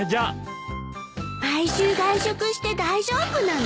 毎週外食して大丈夫なの？